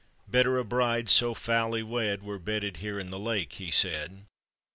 " Better a bride so foully wed "Were bedded here in the lake," he said.